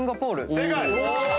正解！